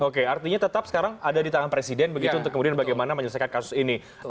oke artinya tetap sekarang ada di tangan presiden begitu untuk kemudian bagaimana menyelesaikan kasus ini